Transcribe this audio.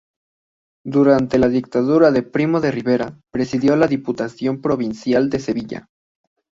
Durante la dictadura de Primo de Rivera, presidió la Diputación Provincial de Sevilla.